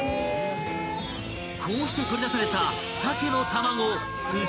［こうして取り出された鮭の卵］